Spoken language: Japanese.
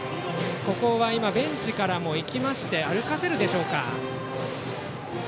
ベンチからも行きまして歩かせるでしょうか。